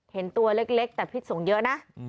เห็นตัวเล็กแต่พิษสงฆ์เยอะนะ